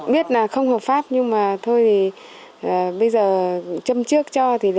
biết là không hợp pháp nhưng mà thôi thì bây giờ châm trước cho